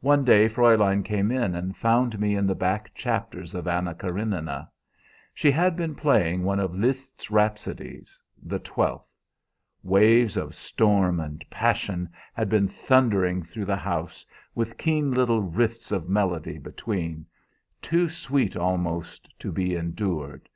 One day Fräulein came in and found me in the back chapters of 'Anna Karénina.' She had been playing one of Lizst's rhapsodies the twelfth. Waves of storm and passion had been thundering through the house, with keen little rifts of melody between, too sweet almost to be endured.